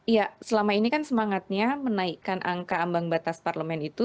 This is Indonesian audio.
iya selama ini kan semangatnya menaikkan angka ambang batas parlemen itu